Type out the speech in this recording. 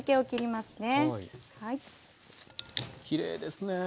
きれいですね。